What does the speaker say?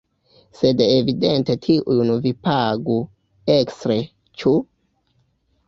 Sed evidente tiujn vi pagu ekstre, ĉu?